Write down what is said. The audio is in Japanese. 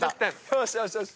よーしよしよし！